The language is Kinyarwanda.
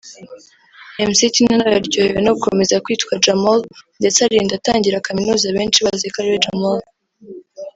Mc Tino nawe yaryohewe no gukomeza kwitwa Jamal ndetse arinda atangira Kaminuza benshi baziko ari we Jamal